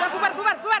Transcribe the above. bumbar bumbar bumbar